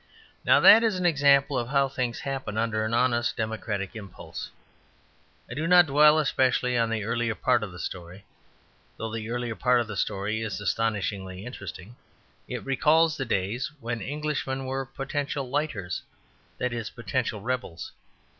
Now that is an example of how things happen under an honest democratical impulse. I do not dwell specially on the earlier part of the story, though the earlier part of the story is astonishingly interesting. It recalls the days when Englishmen were potential lighters; that is, potential rebels.